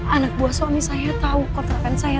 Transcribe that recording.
anak buah suami saya tahu kontrakan saya